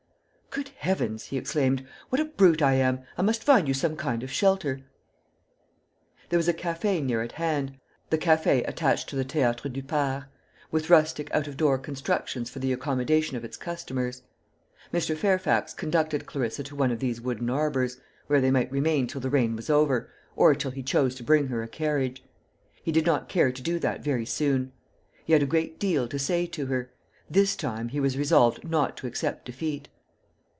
"Good heavens!" he exclaimed, "what a brute I am. I must find you some kind of shelter." There was a café near at hand, the café attached to the Théâtre du Parc, with rustic out of door constructions for the accommodation of its customers. Mr. Fairfax conducted Clarissa to one of these wooden arbours, where they might remain till the rain was over, or till he chose to bring her a carriage. He did not care to do that very soon. He had a great deal to say to her. This time he was resolved not to accept defeat.